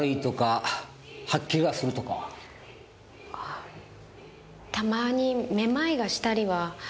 あたまにめまいがしたりは。